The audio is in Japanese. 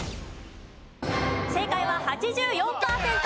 正解は８４パーセント。